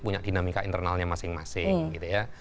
punya dinamika internalnya masing masing gitu ya